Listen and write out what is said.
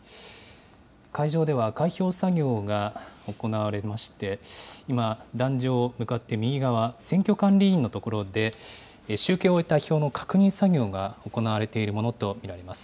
会場では開票作業が行われまして、今、檀上向かって右側、選挙管理委員の所で、集計を終えた票の確認作業が行われていると見られます。